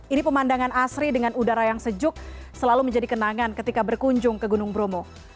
ini pemandangan asri dengan udara yang sejuk selalu menjadi kenangan ketika berkunjung ke gunung bromo